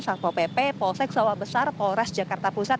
satpo pp polsek sawah besar polres jakarta pusat